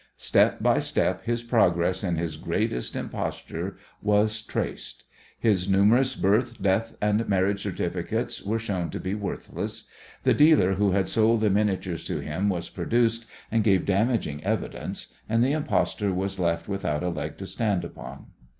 Step by step his progress in his greatest imposture was traced. His numerous birth, death and marriage certificates were shown to be worthless; the dealer who had sold the miniatures to him was produced, and gave damaging evidence, and the impostor was left without a leg to stand upon.